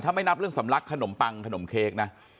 ถ้าไม่นับเรื่องสำลักขนมปังขนมเค้กนะ